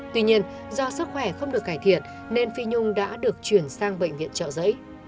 tuy nhiên do sức khỏe không được cải thiện nên phi nhung đã được chuyển sang bệnh viện trợ giấy